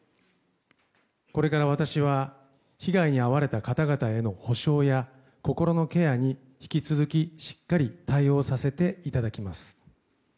これから私は被害に遭われた方々への補償や心のケアに引き続きしっかり対応させていただきます。